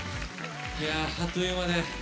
あっという間で。